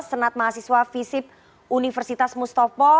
senat mahasiswa visip universitas mustafa